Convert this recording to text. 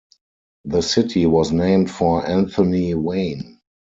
The city was named for Anthony Wayne.